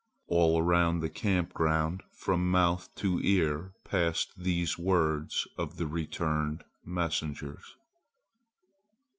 All around the camp ground from mouth to ear passed those words of the returned messengers.